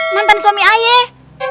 mantan suami ayah